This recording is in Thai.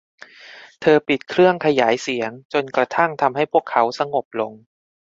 เธอปิดเครื่องขยายเสียง จนกระทั่งทำให้พวกเขาสงบลง